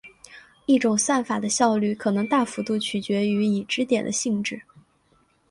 一种算法的效率可能大幅度取决于已知点的性质。